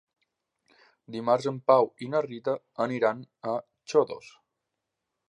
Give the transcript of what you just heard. Dimarts en Pau i na Rita aniran a Xodos.